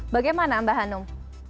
bagaimana mbak hanum